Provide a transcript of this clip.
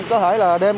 có thể là đem đi